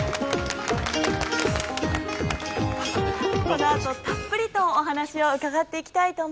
この後たっぷりとお話を伺っていきたいと思います。